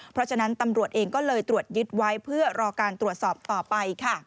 เพราะฉะนั้นตำรวจเองก็เลยตรวจยึดไว้เพื่อรอการตรวจสอบต่อไปค่ะ